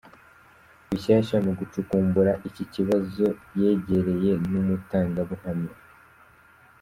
Rushyashya mu gucukumbura iki kibazo yegereye n’umutangabuhamya ,Eng.